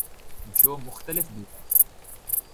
جو مختلف بھی ہیں